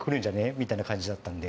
みたいな感じだったんで。